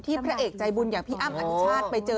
พระเอกใจบุญอย่างพี่อ้ำอธิชาติไปเจอ